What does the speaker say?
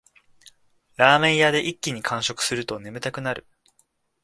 ラーメン屋で一気に完食すると眠たくなる